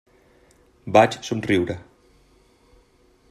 Vaig somriure.